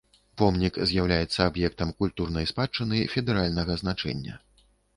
Помнік з'яўляецца аб'ектам культурнай спадчыны федэральнага значэння.